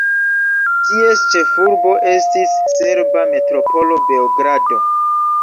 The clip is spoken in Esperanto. Ties ĉefurbo estis serba metropolo Beogrado.